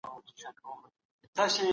څوک د پوهني کیفیت لوړوي؟